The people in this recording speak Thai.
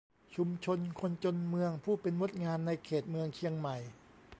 ชุมชนคนจนเมืองผู้เป็นมดงานในเขตเมืองเชียงใหม่